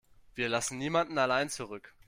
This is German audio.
Wir lassen niemanden allein zurück.